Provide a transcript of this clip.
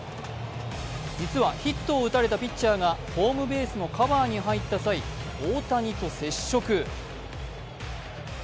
実はヒットを打たれたピッチャーがホームベースのカバーに入った際大谷と接触。